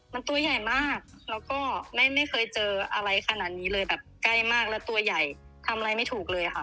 มันตัวใหญ่มากแล้วก็ไม่เคยเจออะไรขนาดนี้เลยแบบใกล้มากแล้วตัวใหญ่ทำอะไรไม่ถูกเลยค่ะ